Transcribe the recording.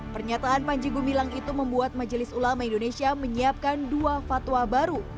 pernyataan panji gumilang itu membuat majelis ulama indonesia menyiapkan dua fatwa baru